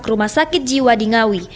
ke rumah sakit jiwa di ngawi